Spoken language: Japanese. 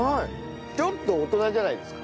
ちょっと大人じゃないですか？